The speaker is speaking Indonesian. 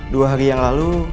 dua hari yang lalu